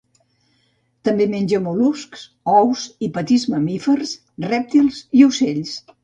També menja mol·luscs, ous i petits mamífers, rèptils i ocells.